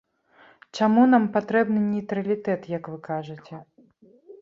Чаму нам патрэбны нейтралітэт, як вы кажаце?